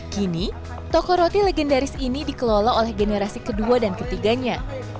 kini toko roti legendaris ini dikelola oleh generasi kedua dan ketiganya